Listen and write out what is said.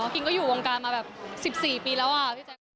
กินเป็นปังไปเลยเนาะ